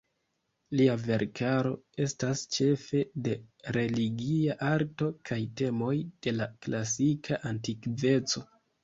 Lia verkaro estas ĉefe de religia arto kaj temoj de la klasika antikveco.